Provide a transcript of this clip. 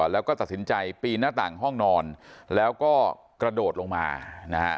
แล้วก็ตัดสินใจปีนหน้าต่างห้องนอนแล้วก็กระโดดลงมานะฮะ